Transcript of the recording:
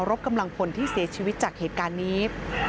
มีความสรุปกำลังผลที่เสียชีวิตจากเหตุการณ์นี้